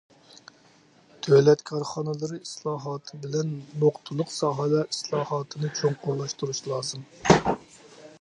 دۆلەت كارخانىلىرى ئىسلاھاتى بىلەن نۇقتىلىق ساھەلەر ئىسلاھاتىنى چوڭقۇرلاشتۇرۇش لازىم.